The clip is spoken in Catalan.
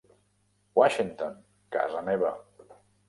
Washington, casa meva.